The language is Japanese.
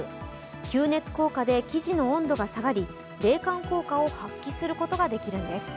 吸熱効果で生地の温度が下がり冷感効果を発揮することができるんです。